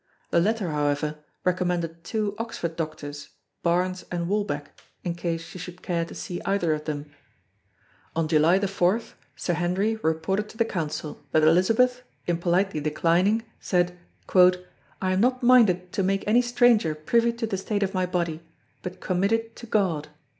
The latter however recommended two Oxford doctors, Barnes and Walbec, in case she should care to see either of them. On July 4th Sir Henry reported to the Council that Elizabeth in politely declining said: "I am not minded to make any stranger privy to the state of my body, but commit it to God."